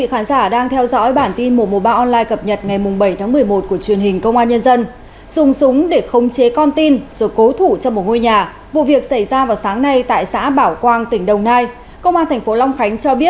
hãy đăng ký kênh để ủng hộ kênh của chúng mình nhé